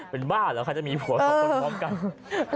เป็นบ้าเหรอคะจะมีผัวสองคนพร้อมกัน